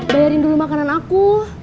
bayarin dulu makanan aku